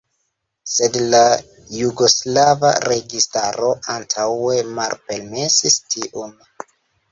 Sed la jugoslava registaro antaŭe malpermesis tiun.